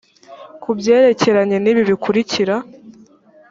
kubyerekeranye n ibi bikurikira